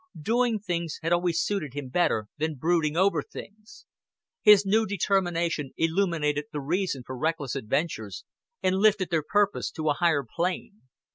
Doing things had always suited him better than brooding over things. His new determination illuminated the reason for reckless adventures, and lifted their purpose to a higher plane.